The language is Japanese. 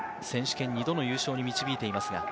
選手権２度の優勝に導いています。